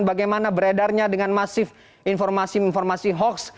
bagaimana beredarnya dengan masif informasi informasi hoax